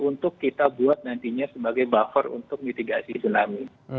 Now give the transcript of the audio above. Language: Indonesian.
untuk kita buat nantinya sebagai buffer untuk mitigasi tsunami